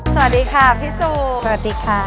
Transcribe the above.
สวัสดีค่ะพี่สุสวัสดีค่ะ